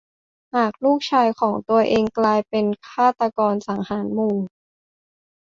หากลูกชายของตัวเองกลายเป็นฆาตกรสังหารหมู่